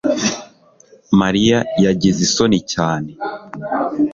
Mariya yagize isoni cyane